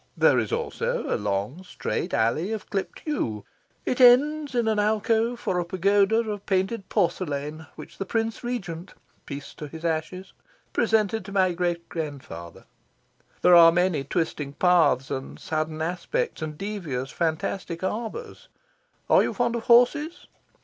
There is also a long strait alley of clipped yew. It ends in an alcove for a pagoda of painted porcelain which the Prince Regent peace be to his ashes! presented to my great grandfather. There are many twisting paths, and sudden aspects, and devious, fantastic arbours. Are you fond of horses?